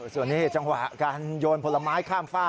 ส่วนนี้จังหวะการโยนผลไม้ข้ามฝ้า